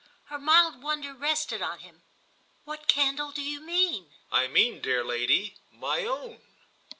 Her mild wonder rested on him. "What candle do you mean?" "I mean, dear lady, my own."